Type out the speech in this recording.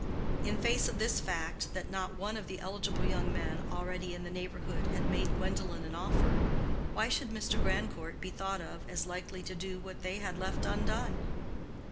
In face of this fact that not one of the eligible young men already in the neighborhood had made Gwendolen an offer, why should Mr. Grandcourt be thought of as likely to do what they had left undone?